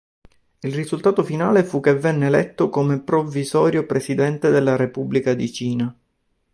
Il risultato finale fu che venne eletto come provvisorio Presidente della Repubblica di Cina.